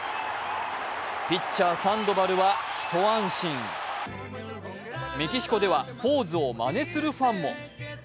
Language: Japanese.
ピッチャー、サンドバルは一安心、メキシコではポーズをまねするファンも。